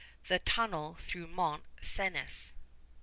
_THE TUNNEL THROUGH MONT CENIS.